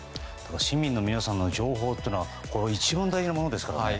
市民の皆さんの情報は一番大事なものですからね。